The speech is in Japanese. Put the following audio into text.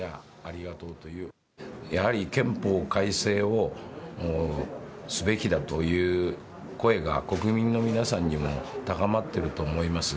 やはり憲法改正をすべきだという声が国民の皆さんにも高まっていると思います。